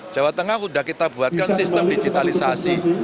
jawa tengah sudah kita buatkan sistem digitalisasi